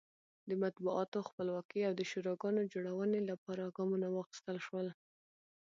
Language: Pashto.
د مطبوعاتو خپلواکۍ او د شوراګانو جوړونې لپاره ګامونه واخیستل شول.